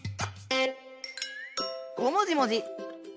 ごもじもじ！